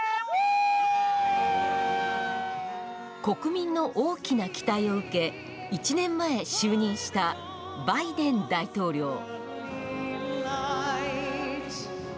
国民の大きな期待を受け１年前、就任したバイデン大統領。